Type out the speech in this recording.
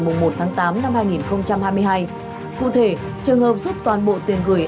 cụ thể trường hợp rút toàn bộ tiền gửi áp dụng mức tiền gửi